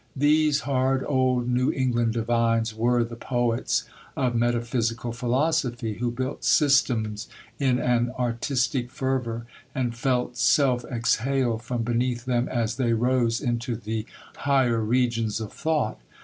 These hard old New England divines were the poets of metaphysical philosophy, who built systems in an artistic fervour, and felt self exhale from beneath them as they rose into the higher regions of thought.